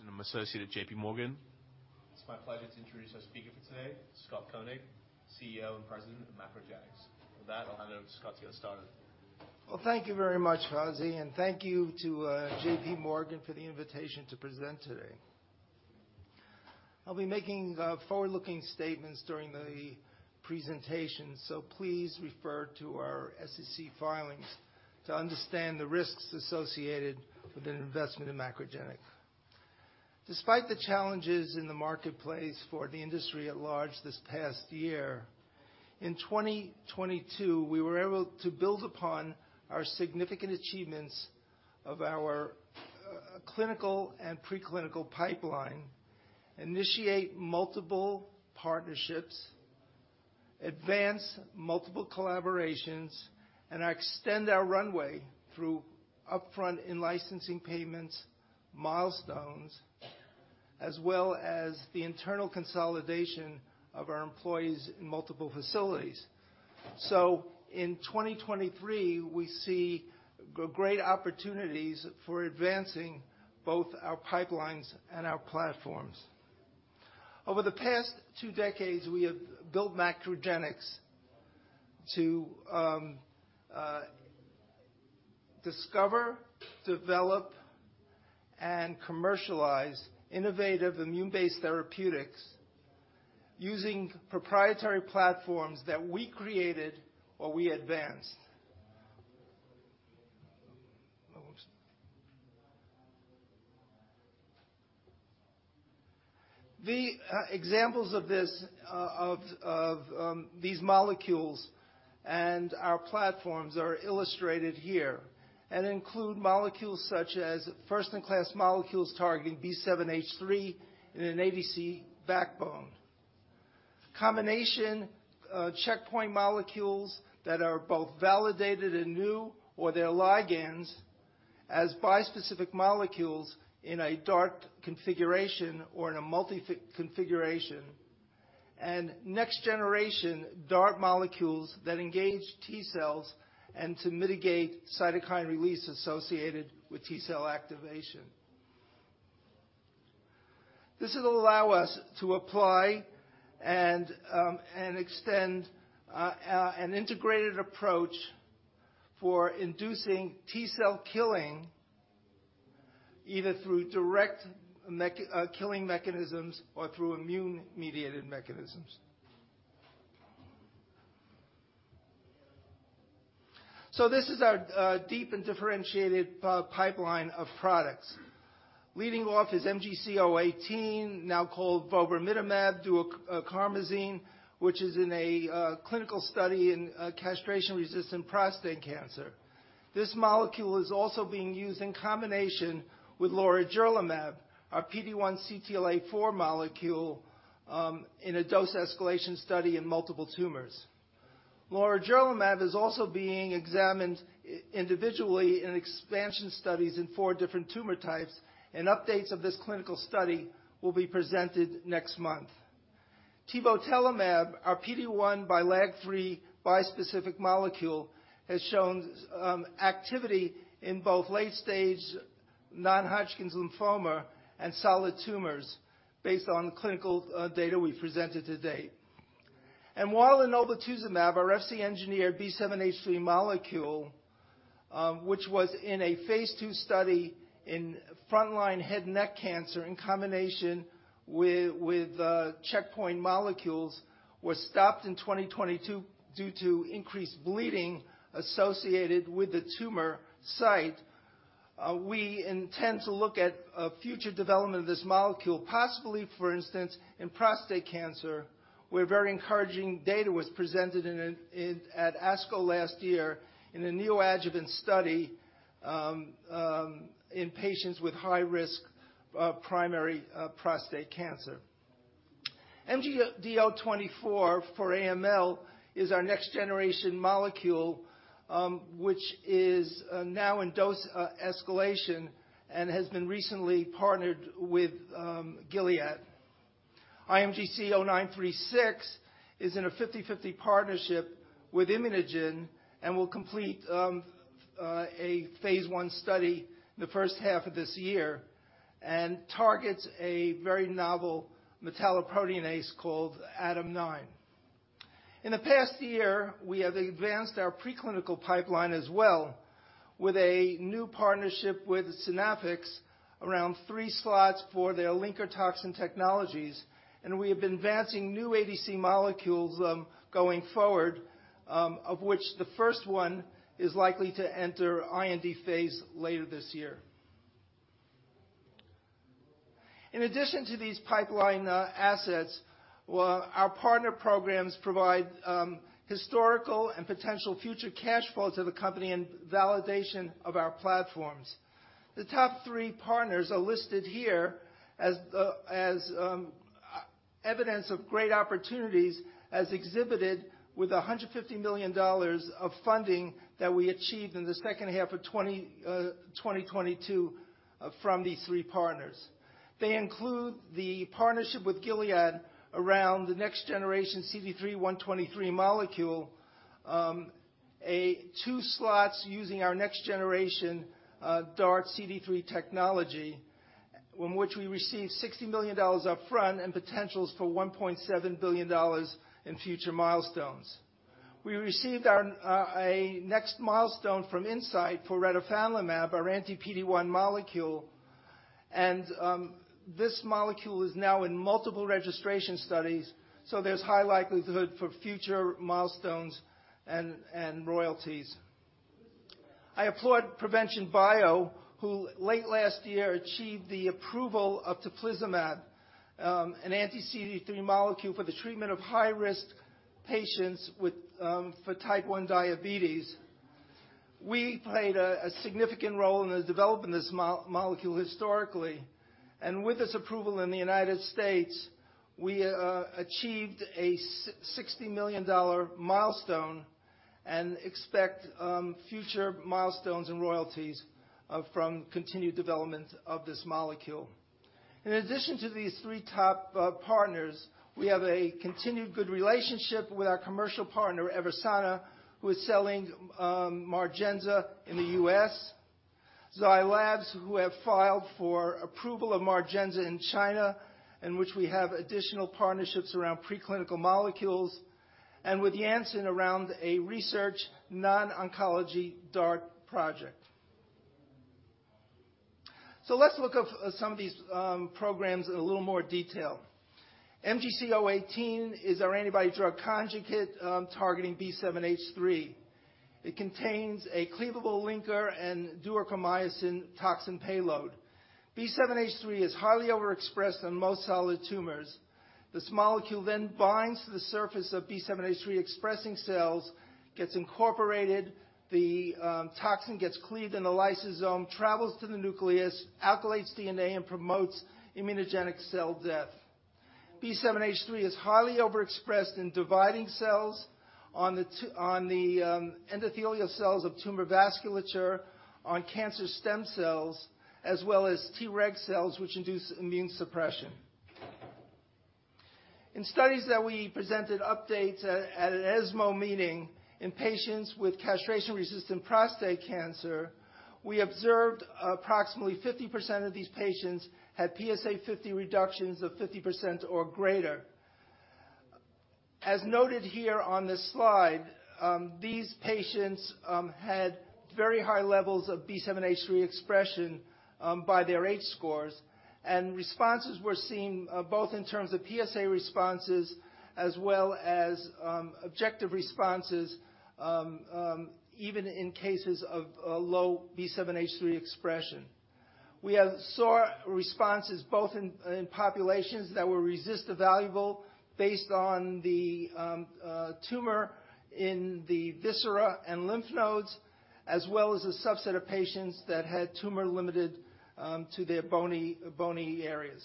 Hello and welcome. My name is Fawzi Khawaja, and I'm an associate at J.P. Morgan. It's my pleasure to introduce our speaker for today, Scott Koenig, CEO and President of MacroGenics. With that, I'll hand over to Scott to get us started. Well, thank you very much, Fawzi, and thank you to JP Morgan for the invitation to present today. I'll be making forward-looking statements during the presentation. Please refer to our SEC filings to understand the risks associated with an investment in MacroGenics. Despite the challenges in the marketplace for the industry at large this past year, in 2022, we were able to build upon our significant achievements of our clinical and pre-clinical pipeline, initiate multiple partnerships, advance multiple collaborations, and extend our runway through upfront in-licensing payments, milestones, as well as the internal consolidation of our employees in multiple facilities. In 2023, we see great opportunities for advancing both our pipelines and our platforms. Over the past two decades, we have built MacroGenics to discover, develop, and commercialize innovative immune-based therapeutics using proprietary platforms that we created or we advanced. The examples of these molecules and our platforms are illustrated here and include molecules such as first-in-class molecules targeting B7-H3 in an ADC backbone. Combination checkpoint molecules that are both validated and new, or they're ligands, as bispecific molecules in a DART configuration or in a multi-con configuration, and next generation DART molecules that engage T cells and to mitigate cytokine release associated with T cell activation. This will allow us to apply and extend an integrated approach for inducing T cell killing, either through direct killing mechanisms or through immune-mediated mechanisms. This is our deep and differentiated pipeline of products. Leading off is MGC018, now called vobramitamab duocarmazine, which is in a clinical study in castration-resistant prostate cancer. This molecule is also being used in combination with lorigerlimab, our PD-1 CTLA-4 molecule, in a dose escalation study in multiple tumors. lorigerlimab is also being examined individually in expansion studies in four different tumor types, updates of this clinical study will be presented next month. Tebotelimab, our PD-1 by LAG-3 bispecific molecule, has shown activity in both late stage non-Hodgkin's lymphoma and solid tumors based on clinical data we've presented to date. While Enoblituzumab, our Fc-engineered B7-H3 molecule, which was in a phase two study in front line head and neck cancer in combination with checkpoint molecules, was stopped in 2022 due to increased bleeding associated with the tumor site. We intend to look at future development of this molecule, possibly, for instance, in prostate cancer, where very encouraging data was presented at ASCO last year in a neoadjuvant study in patients with high risk primary prostate cancer. MGD024 for AML is our next generation molecule, which is now in dose escalation and has been recently partnered with Gilead. IMGC936 is in a 50/50 partnership with ImmunoGen and will complete a phase 1 study in the first half of this year and targets a very novel metalloproteinase called ADAM9. In the past year, we have advanced our pre-clinical pipeline as well with a new partnership with Synaffix around three slots for their linker toxin technologies, and we have been advancing new ADC molecules, going forward, of which the first one is likely to enter IND phase later this year. In addition to these pipeline assets, well, our partner programs provide historical and potential future cash flows to the company and validation of our platforms. The top three partners are listed here as, evidence of great opportunities as exhibited with $150 million of funding that we achieved in the second half of 2022. From these three partners. They include the partnership with Gilead around the next generation CD3123 molecule, a two slots using our next generation DART CD3 technology, in which we receive $60 million upfront and potentials for $1.7 billion in future milestones. We received a next milestone from Incyte for retifanlimab, our anti-PD-1 molecule. This molecule is now in multiple registration studies, so there's high likelihood for future milestones and royalties. I applaud Provention Bio, who late last year achieved the approval of Teplizumab, an anti-CD3 molecule for the treatment of high-risk patients with type 1 diabetes. We played a significant role in the development of this molecule historically, and with this approval in the United States, we achieved a $60 million milestone and expect future milestones and royalties from continued development of this molecule. In addition to these three top partners, we have a continued good relationship with our commercial partner, EVERSANA, who is selling MARGENZA in the U.S. Zai Lab, who have filed for approval of MARGENZA in China, in which we have additional partnerships around preclinical molecules, and with Janssen around a research non-oncology DART project. Let's look up some of these programs in a little more detail. MGC018 is our antibody drug conjugate targeting B7-H3. It contains a cleavable linker and Duocarmycin toxin payload. B7-H3 is highly overexpressed in most solid tumors. This molecule then binds to the surface of B7-H3 expressing cells, gets incorporated, the toxin gets cleaved in the lysosome, travels to the nucleus, alkylates DNA, and promotes immunogenic cell death. B7-H3 is highly overexpressed in dividing cells on the endothelial cells of tumor vasculature, on cancer stem cells, as well as Treg cells, which induce immune suppression. In studies that we presented updates at an ESMO meeting in patients with castration-resistant prostate cancer, we observed approximately 50% of these patients had PSA 50 reductions of 50% or greater. As noted here on this slide, these patients had very high levels of B7-H3 expression by their H scores, and responses were seen both in terms of PSA responses as well as objective responses even in cases of low B7-H3 expression. We saw responses both in populations that were response evaluable based on the tumor in the viscera and lymph nodes, as well as a subset of patients that had tumor limited to their bony areas.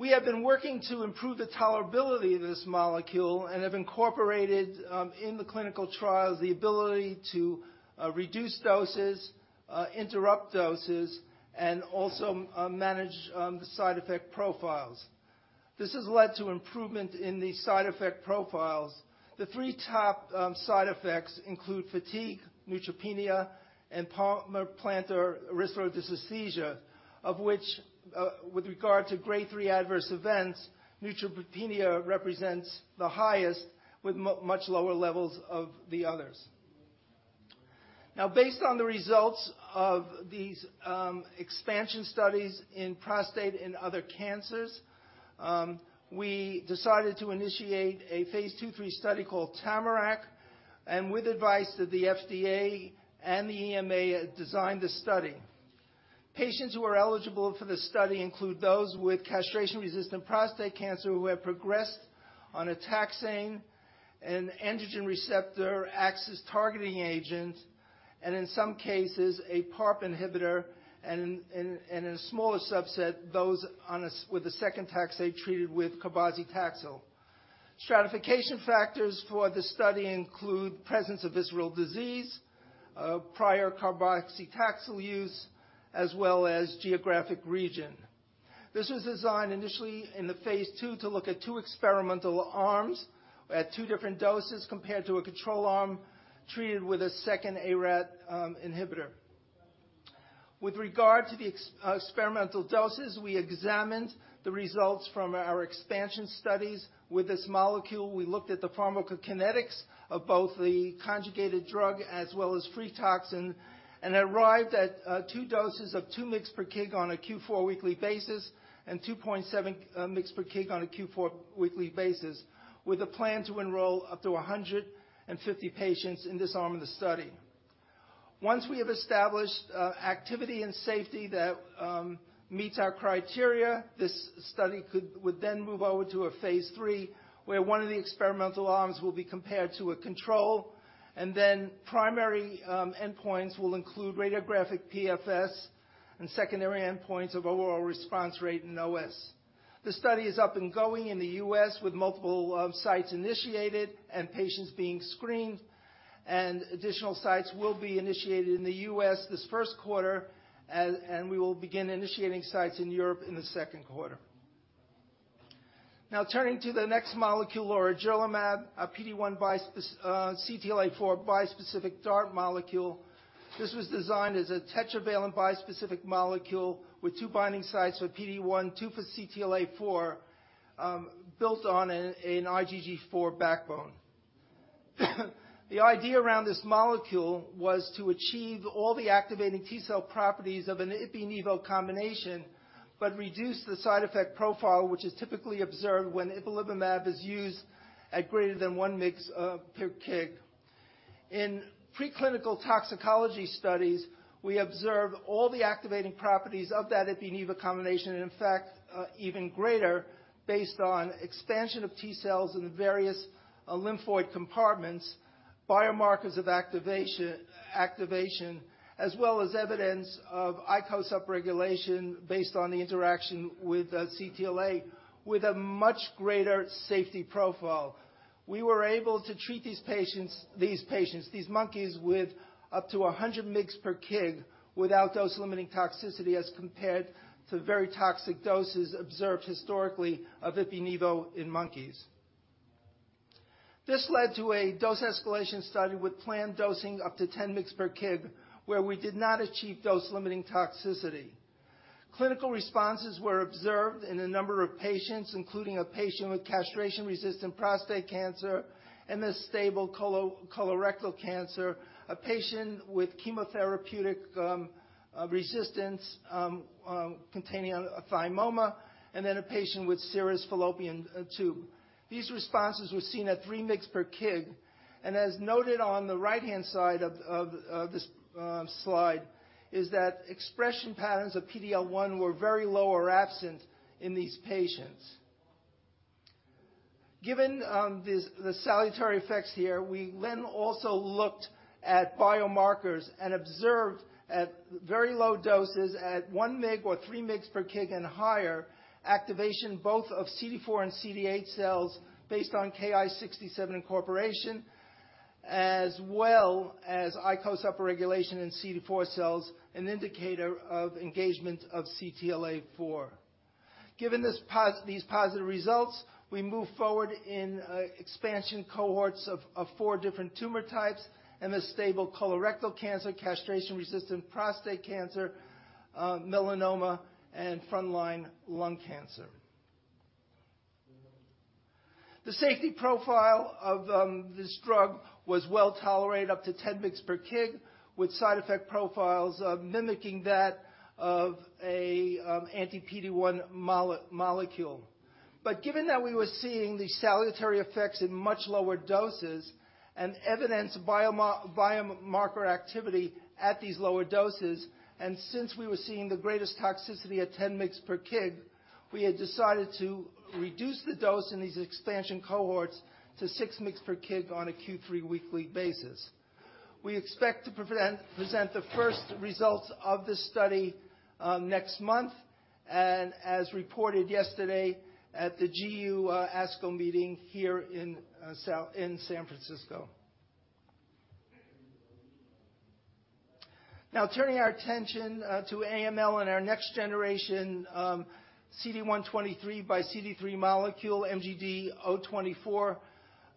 We have been working to improve the tolerability of this molecule and have incorporated in the clinical trials the ability to reduce doses, interrupt doses, and also manage the side effect profiles. This has led to improvement in the side effect profiles. The three top side effects include fatigue, neutropenia, and palmar-plantar erythrodysesthesia, of which, with regard to grade three adverse events, neutropenia represents the highest with much lower levels of the others. Based on the results of these expansion studies in prostate and other cancers, we decided to initiate a phase 2, 3 study called TAMARACK, and with advice to the FDA and the EMA designed the study. Patients who are eligible for this study include those with castration-resistant prostate cancer who have progressed on a taxane and androgen receptor axis targeting agent, and in some cases, a PARP inhibitor, and in a smaller subset, those with a second taxane treated with Cabazitaxel. Stratification factors for this study include presence of visceral disease, prior Cabazitaxel use, as well as geographic region. This was designed initially in the phase two to look at two-experimental arms at two different doses compared to a control arm treated with a second ARAT inhibitor. With regard to the ex-experimental doses, we examined the results from our expansion studies with this molecule. We looked at the pharmacokinetics of both the conjugated drug as well as free toxin and arrived at two doses of two mg per kg on a Q 4 weekly basis and 2.7 mg per kg on a Q 4 weekly basis, with a plan to enroll up to 150 patients in this arm of the study. Once we have established activity and safety that meets our criteria, this study would then move over to a phase three, where one of the experimental arms will be compared to a control. Primary endpoints will include radiographic PFS and secondary endpoints of overall response rate and OS. The study is up and going in the US with multiple sites initiated and patients being screened, and additional sites will be initiated in the US this 1st quarter. We will begin initiating sites in Europe in the 2nd quarter. Now, turning to the next molecule, lorigerlimab, a PD-1 x CTLA-4 bispecific DART molecule. This was designed as a tetravalent bispecific molecule with two binding sites for PD-one, two for CTLA-4, built on an IgG4 backbone. The idea around this molecule was to achieve all the activating T-cell properties of an Ipi-Nivo combination, but reduce the side effect profile, which is typically observed when Ipilimumab is used at greater than 1 mg per kg. In preclinical toxicology studies, we observed all the activating properties of that Ipi-Nivo combination, and in fact, even greater based on expansion of T-cells in the various lymphoid compartments, biomarkers of activation, as well as evidence of ICOS upregulation based on the interaction with CTLA with a much greater safety profile. We were able to treat these patients, these monkeys with up to 100 migs per kg without those limiting toxicity as compared to very toxic doses observed historically of Ipi-Nivo in monkeys. This led to a dose escalation study with planned dosing up to 10 migs per kg, where we did not achieve dose-limiting toxicity. Clinical responses were observed in a number of patients, including a patient with castration-resistant prostate cancer and a stable colorectal cancer, a patient with chemotherapeutic resistance containing a thymoma, and then a patient with serous fallopian tube. These responses were seen at 3 migs per kg. As noted on the right-hand side of this slide, is that expression patterns of PD-L1 were very low or absent in these patients. Given the salutary effects here, we then also looked at biomarkers and observed at very low doses at 1 mig or 3 migs per kg and higher, activation both of CD4 and CD8 cells based on KI67 incorporation, as well as ICOS upregulation in CD4 cells, an indicator of engagement of CTLA-4. Given these positive results, we moved forward in expansion cohorts of four different tumor types and the stable colorectal cancer, castration-resistant prostate cancer, melanoma, and frontline lung cancer. The safety profile of this drug was well tolerated up to 10 migs per kg, with side effect profiles mimicking that of a anti-PD-1 molecule. Given that we were seeing the salutary effects in much lower doses and evidence biomarker activity at these lower doses, and since we were seeing the greatest toxicity at 10 migs per kg, we had decided to reduce the dose in these expansion cohorts to 6 migs per kg on a Q3 weekly basis. We expect to present the first results of this study next month, and as reported yesterday at the GU ASCO meeting here in San Francisco. Now, turning our attention to AML and our next generation CD123 by CD3 molecule, MGD024.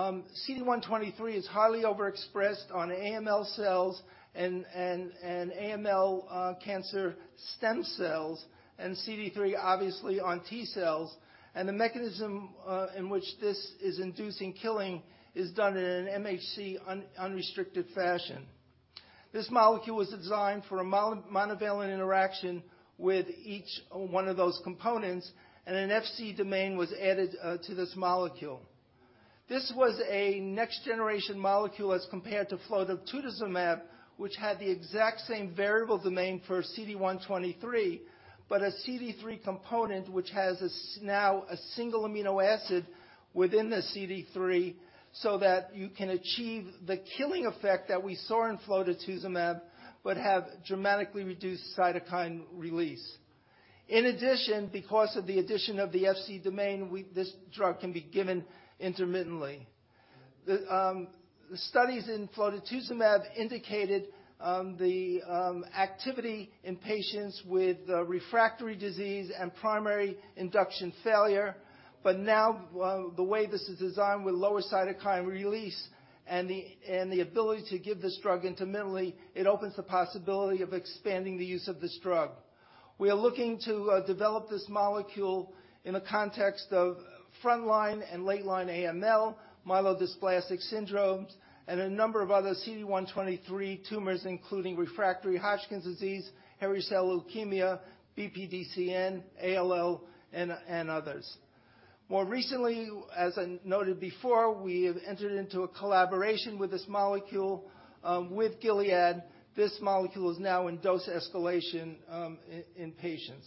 CD123 is highly overexpressed on AML cells and AML cancer stem cells and CD3, obviously on T cells. The mechanism in which this is inducing killing is done in an MHC unrestricted fashion. This molecule was designed for a monovalent interaction with each one of those components. An Fc domain was added to this molecule. This was a next generation molecule as compared to Flotetuzumab, which had the exact same variable domain for CD123, but a CD3 component which has now a single amino acid within the CD3, so that you can achieve the killing effect that we saw in Flotetuzumab but have dramatically reduced cytokine release. In addition, because of the addition of the Fc domain, this drug can be given intermittently. The studies in Flotetuzumab indicated the activity in patients with refractory disease and primary induction failure. Now the way this is designed with lower cytokine release and the ability to give this drug intermittently, it opens the possibility of expanding the use of this drug. We are looking to develop this molecule in the context of frontline and late-line AML, myelodysplastic syndromes, and a number of other CD123 tumors, including refractory Hodgkin's disease, hairy cell leukemia, BPDCN, ALL, and others. More recently, as I noted before, we have entered into a collaboration with this molecule with Gilead. This molecule is now in dose escalation in patients.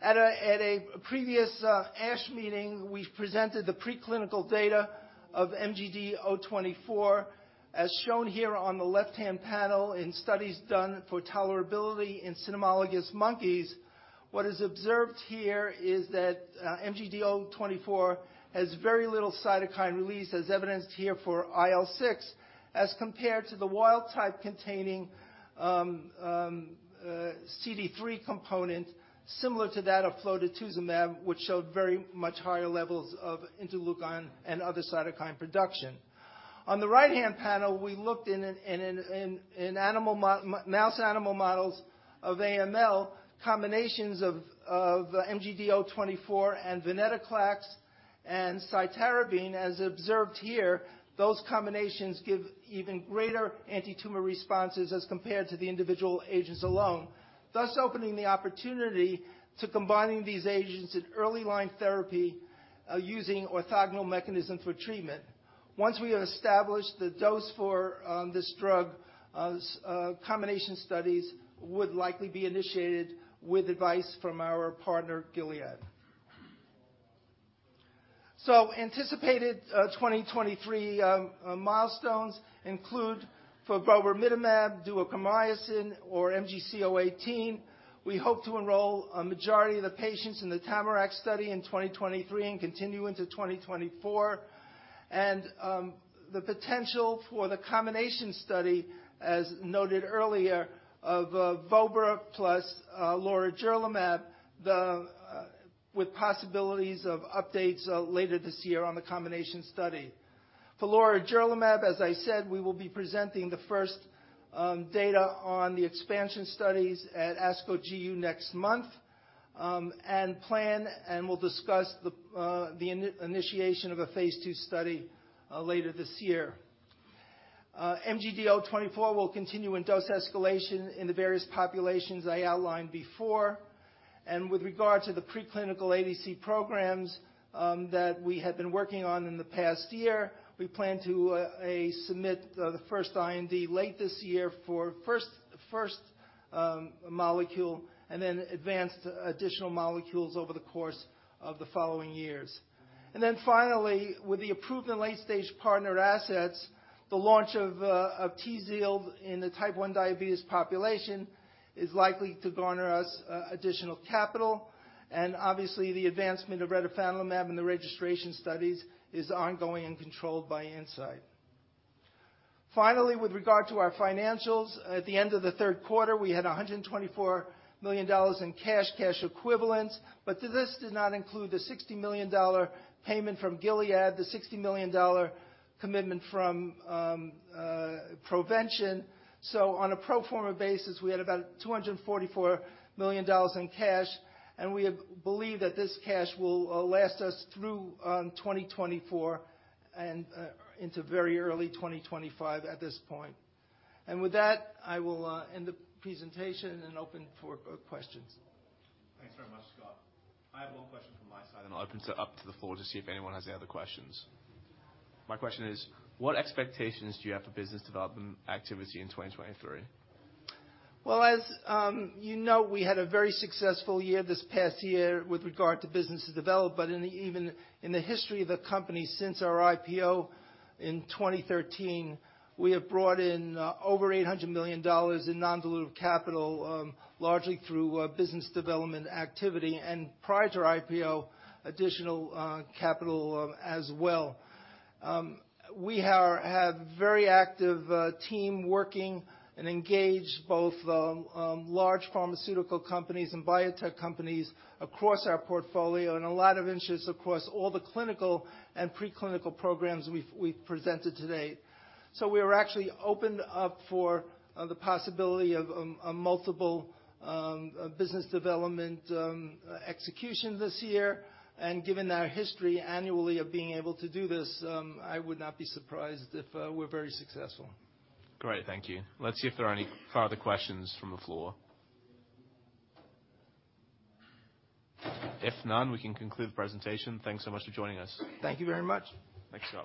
At a previous ASH meeting, we've presented the preclinical data of MGD024 as shown here on the left-hand panel in studies done for tolerability in cynomolgus monkeys. What is observed here is that MGD024 has very little cytokine release as evidenced here for IL-6 as compared to the wild type containing CD3 component similar to that of Flotetuzumab, which showed very much higher levels of interleukin and other cytokine production. On the right-hand panel, we looked in animal mouse animal models of AML, combinations of MGD024 and Venetoclax and Cytarabine as observed here. Those combinations give even greater antitumor responses as compared to the individual agents alone, thus opening the opportunity to combining these agents at early line therapy, using orthogonal mechanism for treatment. Once we have established the dose for this drug, combination studies would likely be initiated with advice from our partner, Gilead. Anticipated 2023 milestones include for vobramitamab duocarmazine or MGC018. We hope to enroll a majority of the patients in the TAMARACK study in 2023 and continue into 2024. The potential for the combination study, as noted earlier of Vobramitamab plus lorigerlimab, with possibilities of updates later this year on the combination study. For lorigerlimab, as I said, we will be presenting the first data on the expansion studies at ASCO GU next month. Plan, and we'll discuss the initiation of a phase two study later this year. MGD024 will continue in dose escalation in the various populations I outlined before. With regard to the preclinical ADC programs that we have been working on in the past year, we plan to submit the first IND late this year for first molecule, then advance additional molecules over the course of the following years. Finally, with the approved and late-stage partnered assets, the launch of Tzield in the type one diabetes population is likely to garner us additional capital. Obviously, the advancement of Retifanlimab in the registration studies is ongoing and controlled by Incyte. Finally, with regard to our financials, at the end of the third quarter, we had $124 million in cash equivalents, but this did not include the $60 million payment from Gilead, the $60 million commitment from Provention. On a pro forma basis, we had about $244 million in cash, believe that this cash will last us through 2024 and into very early 2025 at this point. With that, I will end the presentation and open for questions. Thanks very much, Scott. I have one question from my side. I'll open it up to the floor to see if anyone has any other questions. My question is, what expectations do you have for business development activity in 2023? Well, as, you know, we had a very successful year this past year with regard to business development. In even, in the history of the company since our IPO in 2013, we have brought in over $800 million in non-dilutive capital largely through business development activity and prior to our IPO, additional capital as well. We have very active team working and engaged, both large pharmaceutical companies and biotech companies across our portfolio and a lot of interest across all the clinical and pre-clinical programs we've presented today. We're actually opened up for the possibility of a multiple business development execution this year. Given our history annually of being able to do this, I would not be surprised if we're very successful. Great. Thank you. Let's see if there are any further questions from the floor. If none, we can conclude the presentation. Thanks so much for joining us. Thank you very much. Thanks, Scott.